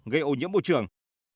gây ô nhiễm môi trường